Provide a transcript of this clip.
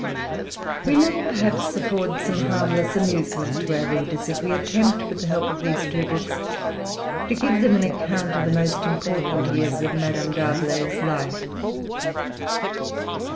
We may, perhaps, afford some harmless amusement to our readers if we attempt, with the help of these two books, to give them an account of the most important years of Madame D'Arblay's life.